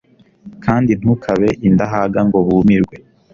kandi ntukabe indahaga ngo bumirwe